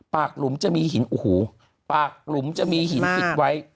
ปากหลุมจะมีหินอูหูปากหลุมจะมีหินกิดไว้